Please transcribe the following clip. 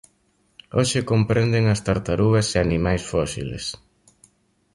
Hoxe comprenden as tartarugas e animas fósiles.